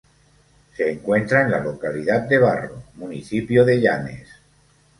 Se encuentra en la localidad de Barro, municipio de Llanes.